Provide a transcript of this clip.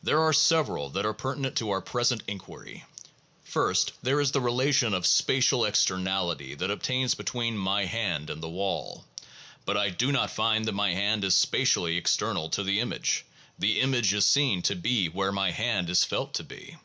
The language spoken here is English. There are several that are pertinent to our present inquiry. First, there is the relation of spatial externality that obtains between my hand and the wall. But I do not find that my hand is spatially external to the image: the image is seen to be where my hand is felt to be.